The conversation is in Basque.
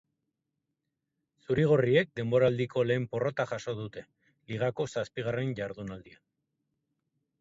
Zuri-gorriek denboraldiko lehen porrota jaso dute, ligako zazpigarren jardunaldian.